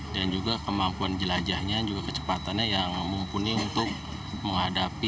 dan juga kemampuan jelajahnya juga kecepatannya yang mumpuni untuk menghadapi